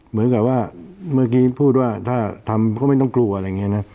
เหมือนกับว่าเมื่อกี้พูดว่าถ้าทำก็ไม่ต้องกลัวอะไรอย่างนี้นะ